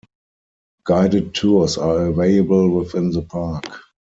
Guided tours are available within the park.